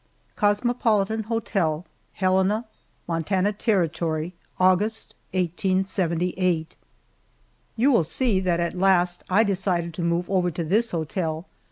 COSMOPOLITAN HOTEL, HELENA, MONTANA TERRITORY, August, 1878. YOU will see that at last I decided to move over to this hotel.